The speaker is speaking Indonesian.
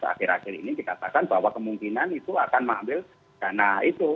akhir akhir ini dikatakan bahwa kemungkinan itu akan mengambil dana itu